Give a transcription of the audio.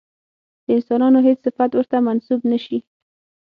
د انسانانو هېڅ صفت ورته منسوب نه شي.